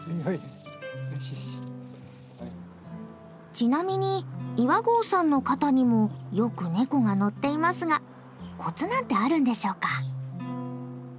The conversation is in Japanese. ちなみに岩合さんの肩にもよくネコが乗っていますがコツなんてあるんでしょうか？